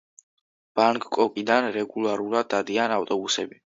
ბანგკოკიდან რეგულარულად დადიან ავტობუსები.